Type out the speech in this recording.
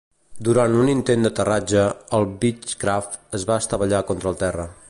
Durant un intent d'aterratge, el Beechcraft es va estavellar contra el terra.